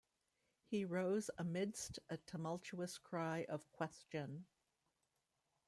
He rose 'amidst a tumultuous cry of Question!